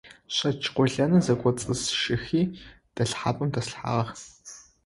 ШэкӀ къолэныр зэкӀоцӀысщыхьи дэлъхьапӀэм дэслъхьагъ.